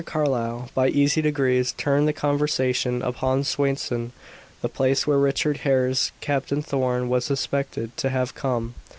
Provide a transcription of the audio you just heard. Carlyle, by easy degrees, turned the conversation upon Swainson, the place where Richard Hare's Captain Thorn was suspected to have come.